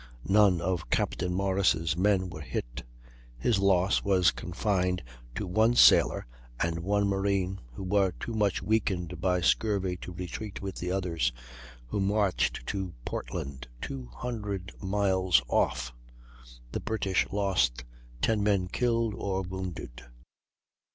None of Captain Morris' men were hit; his loss was confined to one sailor and one marine who were too much weakened by scurvy to retreat with the others, who marched to Portland, 200 miles off. The British lost ten men killed or wounded.